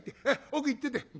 奥行ってて。